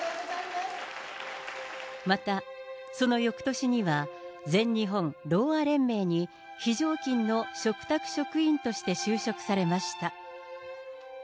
また、そのよくとしには、全日本ろうあ連盟に非常勤の嘱託職員として就職されました。